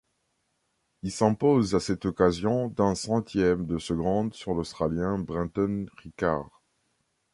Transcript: Il s'impose à cette occasion d'un centième de seconde sur l'Australien Brenton Rickard.